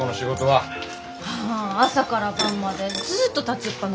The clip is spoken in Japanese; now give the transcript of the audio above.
はあ朝から晩までずっと立ちっ放し。